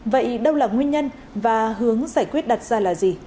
vậy đâu là nguyên nhân và hướng giải quyết đặt ra là gì